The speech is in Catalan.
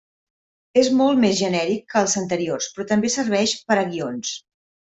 És molt més genèric que els anteriors però també serveix per a guions.